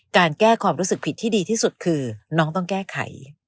การแก้ความรู้สึกผิดที่ดีที่สุดคือน้องต้องแก้ไข